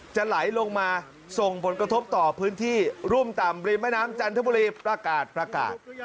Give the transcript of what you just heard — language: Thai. จะไหลลงมาส่งผลกระทบต่อพื้นที่รุ่มต่ำริมแม่น้ำจันทบุรีประกาศประกาศ